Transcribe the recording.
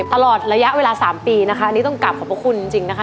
ตลอดระยะเวลา๓ปีนะคะอันนี้ต้องกลับขอบพระคุณจริงนะคะ